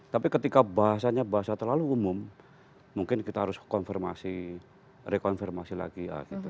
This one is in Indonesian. tapi ketika bahasanya bahasa terlalu umum mungkin kita harus konfirmasi rekonfirmasi lagi